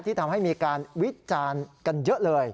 ทำให้มีการวิจารณ์กันเยอะเลย